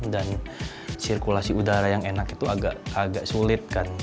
dan sirkulasi udara yang enak itu agak sulit kan